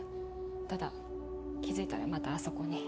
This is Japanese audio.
ただ気付いたらまたあそこに。